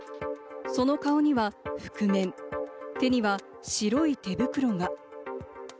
その顔には覆面、手には白い手袋が。